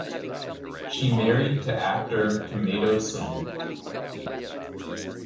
She married to actor "Tomato Somu".